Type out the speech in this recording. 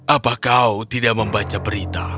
apa kau tidak membaca berita